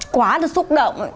quá là xúc động